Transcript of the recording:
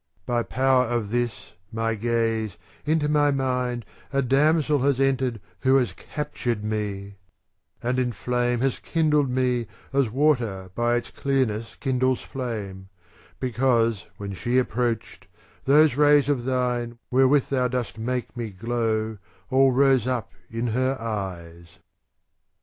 * By power of this my gaze, into my mind A damsel has entered who has captured me ; and in flame has kindled me as water by its clearness kindles flame :* because, when she approached, those rays of thine wherewith thou dost make me glow all rose up in her eyes.